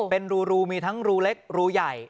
เป็นรูมีทั้งรูเล็กรูใหญ่